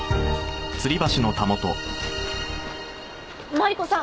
マリコさん